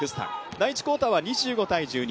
第１クオーターは２５−１２